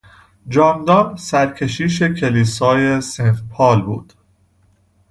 جان دان سرکشیش کلیسای سنت پال بود.